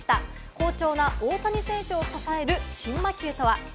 好調な大谷選手を支える新魔球とは？